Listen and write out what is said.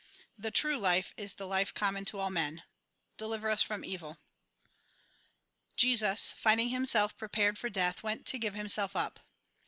The true life is the life common to all men ("Deliver us trom evil") Jesus, finding himself prepared for death, went to give himself up.